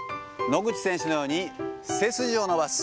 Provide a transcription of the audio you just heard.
野口選手のように、背筋を伸ばす。